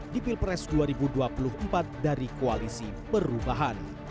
di pilpres dua ribu dua puluh empat dari koalisi perubahan